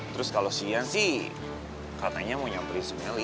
terus kalau si ian sih katanya mau nyamperin sumeli